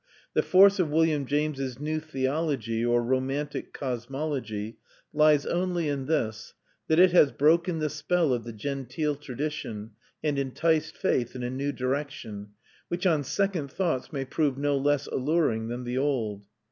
The force of William James's new theology, or romantic cosmology, lies only in this: that it has broken the spell of the genteel tradition, and enticed faith in a new direction, which on second thoughts may prove no less alluring than the old.